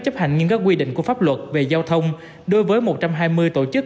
chấp hành nghiêm các quy định của pháp luật về giao thông đối với một trăm hai mươi tổ chức